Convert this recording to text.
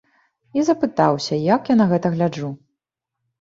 І запытаўся, як я на гэта гляджу.